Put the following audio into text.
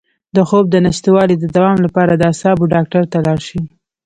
د خوب د نشتوالي د دوام لپاره د اعصابو ډاکټر ته لاړ شئ